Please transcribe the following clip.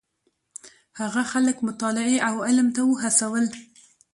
هغه خلک مطالعې او علم ته وهڅول.